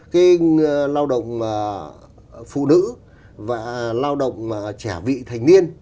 cái lao động phụ nữ và lao động trẻ vị thành niên